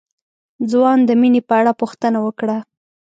ځوان د مينې په اړه پوښتنه وکړه.